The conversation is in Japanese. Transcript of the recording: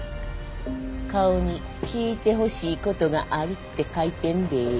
顔に聞いてほしいことがあるって書いてんでぇ。